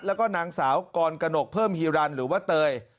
แล้วก็นางสาวกรกนกเพิ่มฮีรันหรือว่าเตย